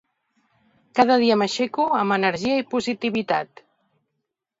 Cada dia m'aixeco amb energia i positivitat.